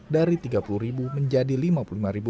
dari rp tiga puluh menjadi rp lima puluh lima